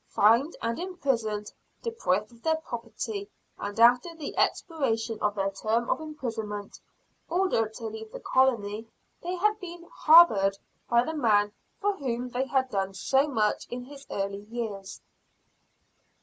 Fined and imprisoned, deprived of their property, and, after the expiration of their term of imprisonment, ordered to leave the colony, they had been "harbored" by the man for whom they had done so much in his early years.